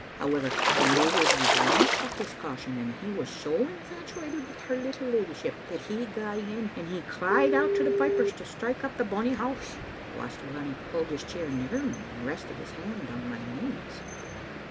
However, the Ogilvys lauched at his caution ; and he was so infatuated wi' her little leddyship that he gae in, and he cried out to the pipers to strike up *The Bonny House. '" Waster Lunny pulled his chair nearer me and rested his hand on my knees.